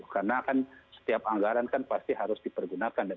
karena kan setiap anggaran kan pasti harus dipergunakan